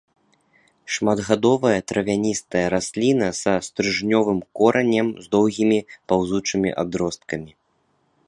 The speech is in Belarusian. Шматгадовая травяністая расліна са стрыжнёвым коранем з доўгімі паўзучымі адросткамі.